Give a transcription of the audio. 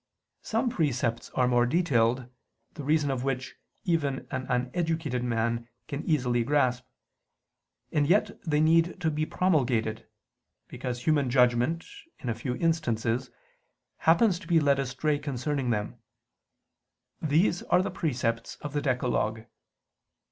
Some precepts are more detailed, the reason of which even an uneducated man can easily grasp; and yet they need to be promulgated, because human judgment, in a few instances, happens to be led astray concerning them: these are the precepts of the decalogue.